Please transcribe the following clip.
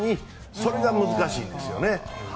それが難しいんですよね。